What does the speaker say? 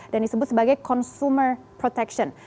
dan disebut sebagai consumer protection